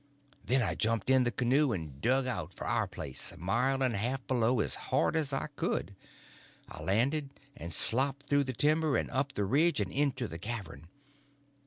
Then I jumped in the canoe and dug out for our place, a mile and a half below, as hard as I could go. I landed, and slopped through the timber and up the ridge and into the cavern.